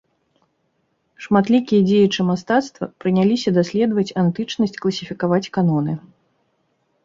Шматлікія дзеячы мастацтва прыняліся даследаваць антычнасць, класіфікаваць каноны.